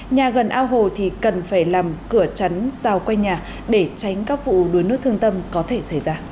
nhà gần ao hồ thì cần phải làm cửa chắn rào quanh nhà để tránh các vụ đuối nước thương tâm có thể xảy ra